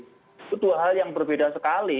itu dua hal yang berbeda sekali